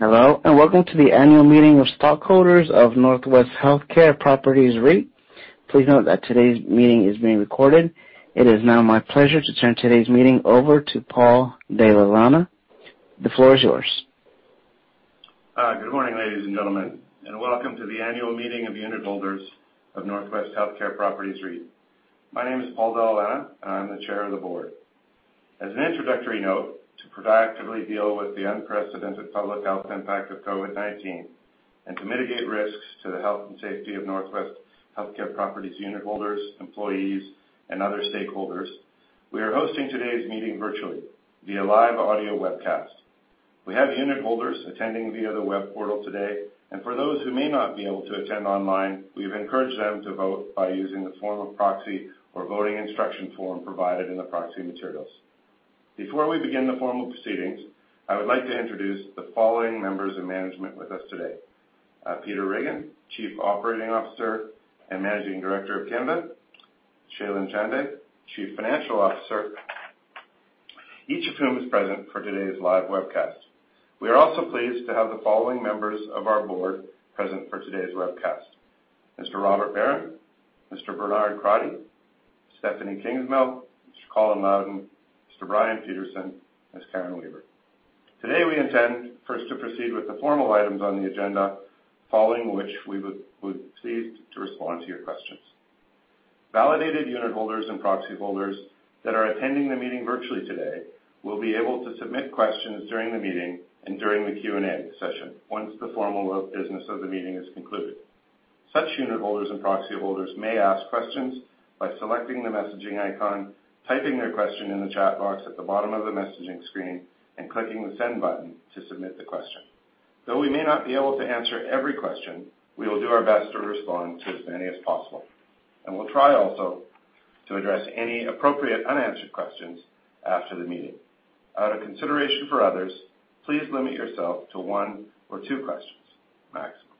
Hello and welcome to the Annual Meeting of Stockholders of NorthWest Healthcare Properties REIT. Please note that today's meeting is being recorded. It is now my pleasure to turn today's meeting over to Paul Dalla Lana. The floor is yours. Good morning, ladies and gentlemen, and welcome to the annual meeting of unit holders of NorthWest Healthcare Properties REIT. My name is Paul Dalla Lana, and I'm the Chair of the Board. As an introductory note, to proactively deal with the unprecedented public health impact of COVID-19 and to mitigate risks to the health and safety of NorthWest Healthcare Properties unit holders, employees, and other stakeholders, we are hosting today's meeting virtually via live audio webcast. We have unit holders attending via the web portal today, and for those who may not be able to attend online, we've encouraged them to vote by using the form of proxy or voting instruction form provided in the proxy materials. Before we begin the formal proceedings, I would like to introduce the following members of management with us today: Peter Riggin, COO and Managing Director of Canada; Shailen Chande, CFO, each of whom is present for today's live webcast. We are also pleased to have the following members of our Board present for today's webcast: Mr. Robert Baron, Mr. Bernard Crotty, Stephani Kingsmill, Mr. Colin Loudon, Mr. Brian Petersen, Ms. Karen Weaver. Today we intend first to proceed with the formal items on the agenda, following which we would seek to respond to your questions. Validated unit holders and proxy holders that are attending the meeting virtually today will be able to submit questions during the meeting and during the Q&A session once the formal business of the meeting is concluded. Such Unit Holders and proxy holders may ask questions by selecting the messaging icon, typing their question in the chat box at the bottom of the messaging screen, and clicking the send button to submit the question. Though we may not be able to answer every question, we will do our best to respond to as many as possible, and we'll try also to address any appropriate unanswered questions after the meeting. Out of consideration for others, please limit yourself to one or two questions, maximum.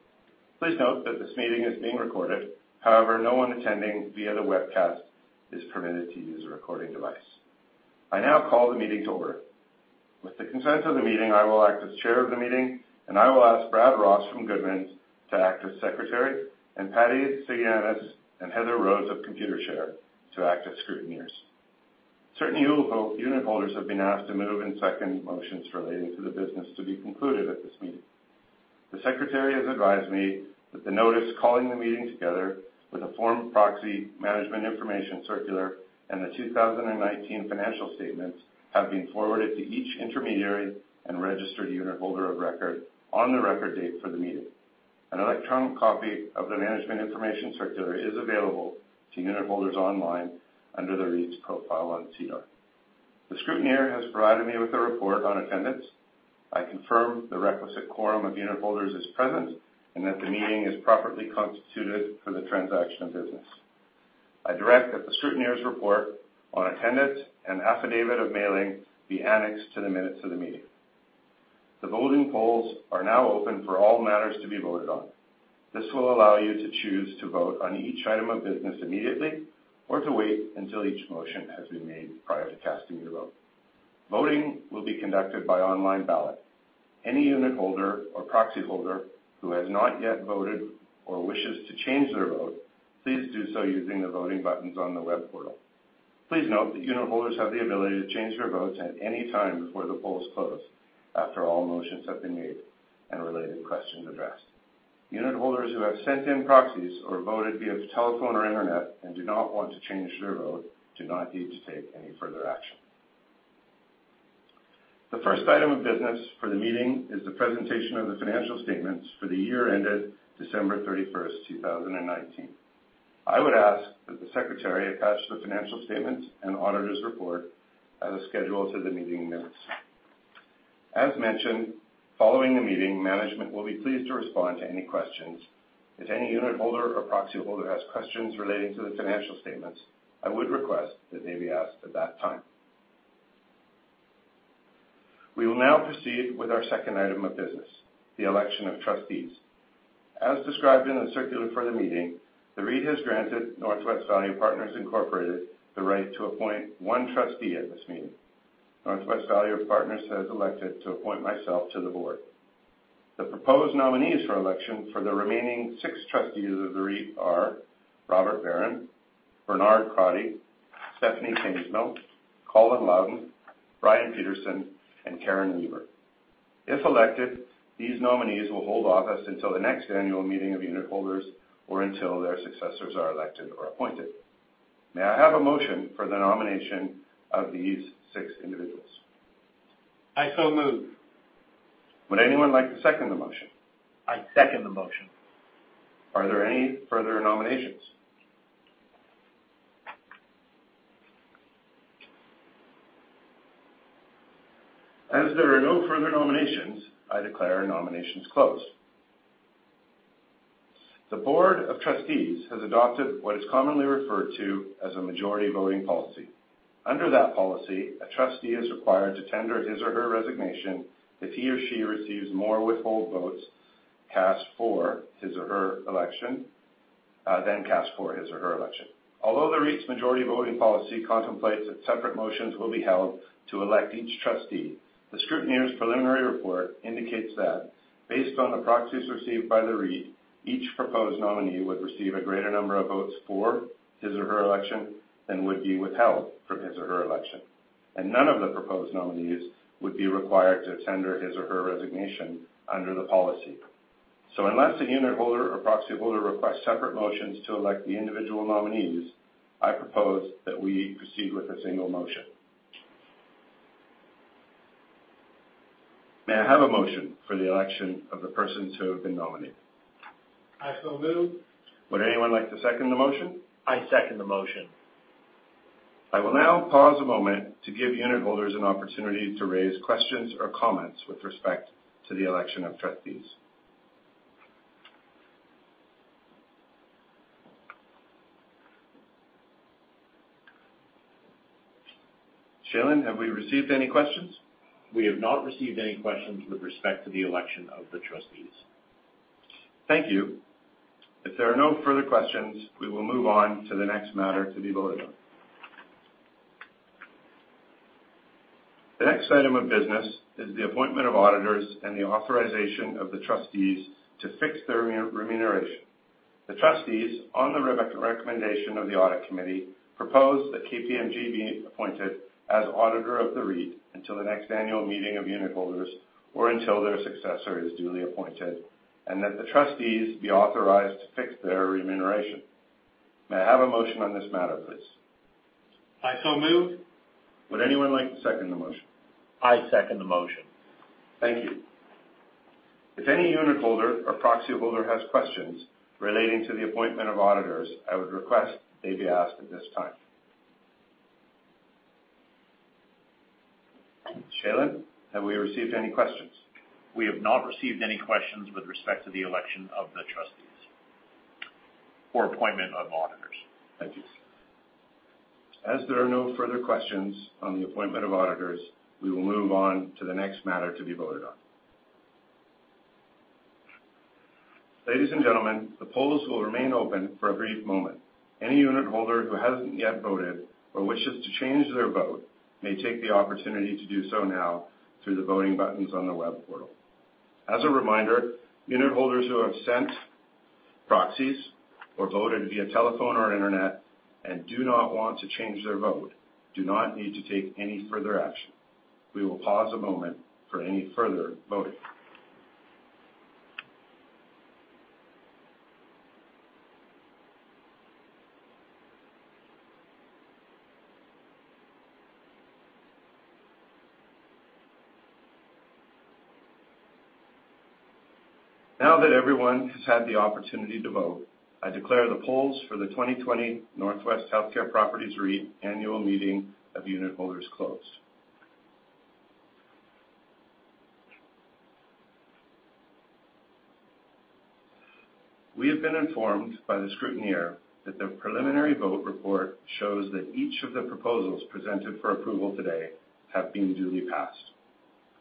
Please note that this meeting is being recorded. However, no one attending via the webcast is permitted to use a recording device. I now call the meeting to order. With the consent of the meeting, I will act as Chair of the meeting, and I will ask Brad Ross from Goodmans to act as Secretary, and Patti Siguenza and Heather Rose of Computershare to act as Scrutineers. Certain unit holders have been asked to move and second motions relating to the business to be concluded at this meeting. The Secretary has advised me that the notice calling the meeting together with a form proxy Management Information Circular and the 2019 financial statements have been forwarded to each intermediary and registered unit holder of record on the record date for the meeting. An electronic copy of the Management Information Circular is available to unit holders online under the REIT's profile on SEDAR. The Scrutineer has provided me with a report on attendance. I confirm the requisite quorum of unit holders is present and that the meeting is properly constituted for the transaction of business. I direct that the scrutineer's report on attendance and affidavit of mailing be annexed to the minutes of the meeting. The voting polls are now open for all matters to be voted on. This will allow you to choose to vote on each item of business immediately or to wait until each motion has been made prior to casting your vote. Voting will be conducted by online ballot. Any unit holder or proxy holder who has not yet voted or wishes to change their vote, please do so using the voting buttons on the web portal. Please note that unit holders have the ability to change their votes at any time before the polls close after all motions have been made and related questions addressed. Unit holders who have sent in proxies or voted via telephone or internet and do not want to change their vote do not need to take any further action. The first item of business for the meeting is the presentation of the financial statements for the year ended December 31st, 2019. I would ask that the Secretary attach the financial statements and auditor's report as a schedule to the meeting minutes. As mentioned, following the meeting, management will be pleased to respond to any questions. If any unit holder or proxy holder has questions relating to the financial statements, I would request that they be asked at that time. We will now proceed with our second item of business, the election of trustees. As described in the circular for the meeting, the REIT has granted NorthWest Value Partners, Incorporated, the right to appoint one trustee at this meeting. NorthWest Value Partners has elected to appoint myself to the Board. The proposed nominees for election for the remaining six trustees of the REIT are Robert Baron, Bernard Crotty, Stephani Kingsmill, Colin Loudon, Brian Petersen, and Karen Weaver. If elected, these nominees will hold office until the next annual meeting of unit holders or until their successors are elected or appointed. May I have a motion for the nomination of these six individuals? I so move. Would anyone like to second the motion? I second the motion. Are there any further nominations? As there are no further nominations, I declare nominations closed. The Board of Trustees has adopted what is commonly referred to as a majority voting policy. Under that policy, a trustee is required to tender his or her resignation if he or she receives more withhold votes cast for his or her election than cast for his or her election. Although the REIT's majority voting policy contemplates that separate motions will be held to elect each trustee, the scrutineer's preliminary report indicates that, based on the proxies received by the REIT, each proposed nominee would receive a greater number of votes for his or her election than would be withheld from his or her election, and none of the proposed nominees would be required to tender his or her resignation under the policy. Unless a unit holder or proxy holder requests separate motions to elect the individual nominees, I propose that we proceed with a single motion. May I have a motion for the election of the persons who have been nominated? I so move. Would anyone like to second the motion? I second the motion. I will now pause a moment to give unit holders an opportunity to raise questions or comments with respect to the election of trustees. Shailen, have we received any questions? We have not received any questions with respect to the election of the Trustees. Thank you. If there are no further questions, we will move on to the next matter to be voted on. The next item of business is the appointment of auditors and the authorization of the trustees to fix their remuneration. The Trustees, on the recommendation of the Audit Committee, propose that KPMG be appointed as auditor of the REIT until the next annual meeting of unit holders or until their successor is duly appointed, and that the trustees be authorized to fix their remuneration. May I have a motion on this matter, please? I so move. Would anyone like to second the motion? I second the motion. Thank you. If any unit holder or proxy holder has questions relating to the appointment of auditors, I would request they be asked at this time. Shailen, have we received any questions? We have not received any questions with respect to the election of the trustees or appointment of auditors. Thank you. As there are no further questions on the appointment of auditors, we will move on to the next matter to be voted on. Ladies and gentlemen, the polls will remain open for a brief moment. Any unit holder who hasn't yet voted or wishes to change their vote may take the opportunity to do so now through the voting buttons on the web portal. As a reminder, unit holders who have sent proxies or voted via telephone or internet and do not want to change their vote do not need to take any further action. We will pause a moment for any further voting. Now that everyone has had the opportunity to vote, I declare the polls for the 2020 NorthWest Healthcare Properties REIT Annual Meeting of unit holders closed. We have been informed by the Scrutineer that the preliminary vote report shows that each of the proposals presented for approval today have been duly passed.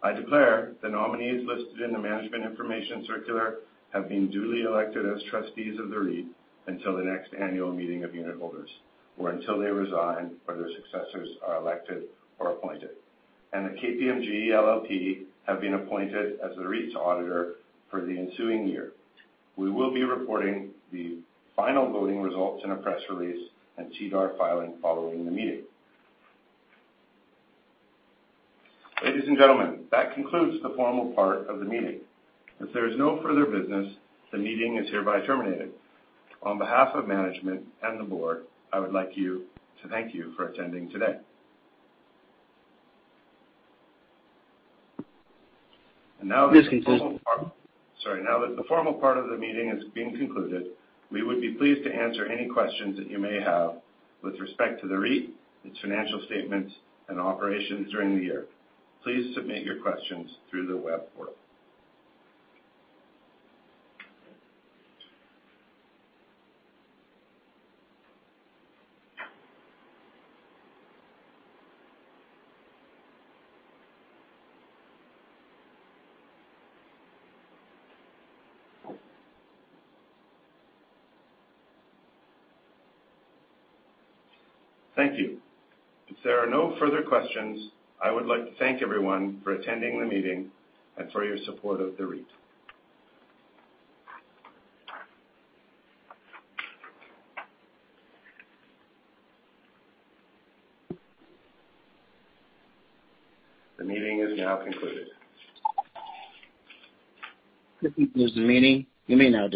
I declare the nominees listed in the Management Information Circular have been duly elected as Trustees of the REIT until the next annual meeting of unit holders or until they resign or their successors are elected or appointed, and that KPMG LLP have been appointed as the REIT's auditor for the ensuing year. We will be reporting the final voting results in a press release and SEDAR filing following the meeting. Ladies and gentlemen, that concludes the formal part of the meeting. If there is no further business, the meeting is hereby terminated. On behalf of Management and the Board, I would like to thank you for attending today. And now that the formal part. Sorry. Now that the formal part of the meeting is being concluded, we would be pleased to answer any questions that you may have with respect to the REIT, its financial statements, and operations during the year. Please submit your questions through the web portal. Thank you. If there are no further questions, I would like to thank everyone for attending the meeting and for your support of the REIT. The meeting is now concluded. This concludes the meeting. You may now.